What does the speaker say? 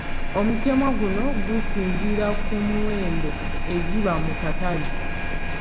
Omutemwa guno gusinziira ku miwendo egiba mu katale.